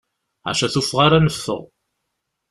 Ḥaca tuffɣa ara neffeɣ.